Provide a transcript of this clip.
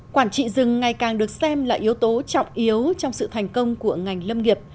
quản trị rừng ngày càng được xem là yếu tố trọng yếu trong sự thành công của ngành lâm nghiệp